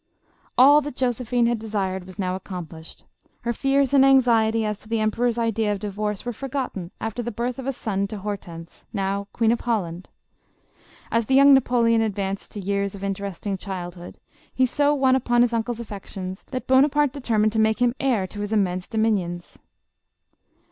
All that Josephine had desired was now accomplished. Her fears and anxiety as to the emperor's idea of di vorce, were forgotten after the birth of a son to Hor tense, now Queen of Holland. As the young Napo leon advanced to years of interesting childhood, he so won upon his uncle's affections that Bonaparte deter mined to make him heir to his immense dominions.